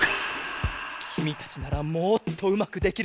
きみたちならもっとうまくできるよ！